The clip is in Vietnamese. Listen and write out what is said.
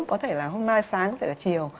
có thể là hôm nay sáng có thể là chiều